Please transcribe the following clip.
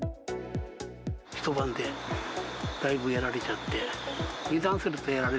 一晩でだいぶやられちゃって。